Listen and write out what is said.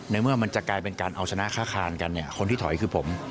เมื่อมันจะกลายเป็นการเอาชนะค่าคานกันเนี่ยคนที่ถอยคือผม